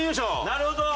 なるほど！